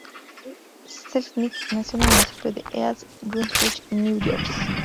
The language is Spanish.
Selznick nació en el municipio de East Brunswick, Nueva Jersey.